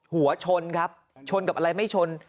หัวชนครับชนกับอะไรไม่ชน